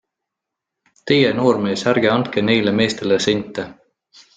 Teie, noormees, ärge andke neile meestele sente!